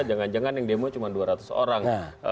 jangan jangan yang demo cuma dua ratus orang